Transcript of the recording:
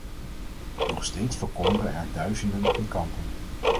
Nog steeds verkommeren er duizenden in kampen.